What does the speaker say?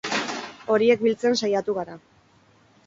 Horiek biltzen saiatu gara.